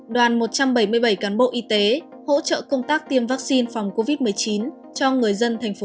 đoàn một trăm bảy mươi bảy cán bộ y tế hỗ trợ công tác tiêm vaccine phòng covid một mươi chín